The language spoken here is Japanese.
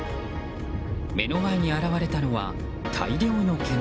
目の前に現れたのは大量の煙。